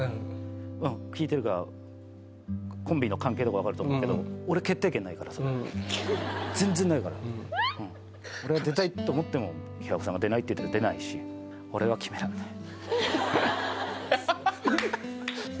うん聴いてるからコンビの関係とか分かると思うけど全然ないから俺が出たいと思っても平子さんが「出ない」って言ったら出ないし俺は決められないハハハハハ！